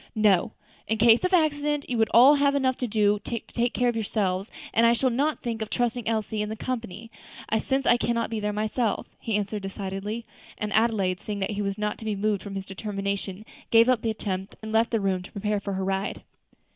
"No; in case of accident you would all have enough to do to take care of yourselves, and I shall not think of trusting Elsie in the company, since I cannot be there myself," he answered decidedly; and Adelaide, seeing he was not to be moved from his determination, gave up the attempt, and left the room to prepare for her ride.